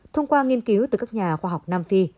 thông qua nghiên cứu từ các nhà khoa học nam phi